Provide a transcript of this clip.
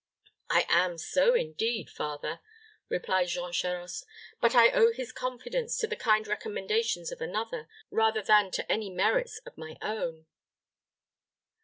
"I am so, indeed, father," replied Jean Charost; "but I owe his confidence to the kind recommendations of another, rather than to any merits of my own."